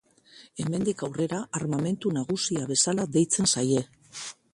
Hemendik aurrera, Armamentu Nagusia bezala deitzen zaie.